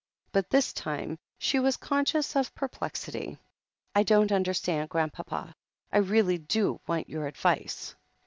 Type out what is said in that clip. But this time she was conscious of per plexity. "I don't understand, Grandpapa. I really do want your advice."